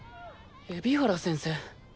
海老原先生。